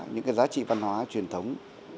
những giá trị văn hóa truyền thống